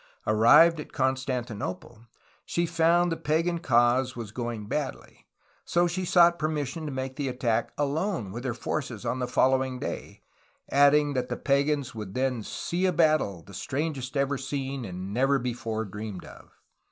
'' Arrived at Constanti nople, she found that the pagan cause was going badly; so she sought permission to make the attack alone with her forces on the following day, adding that the pagans would then "see a battle, the strangest ever seen and never before dreamed of."